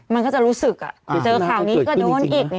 มันก็จะรู้สึกเจอข่าวนี้ก็โดนอีก